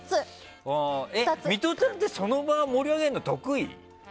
ミトちゃんってその場盛り上げるの得意？